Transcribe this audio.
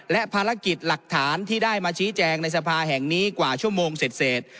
และภารกิจหลักฐานที่ได้มาชี้แจงในสภาแห่งนี้กว่าชั่วโมงเสร็จ